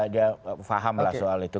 dia paham soal itu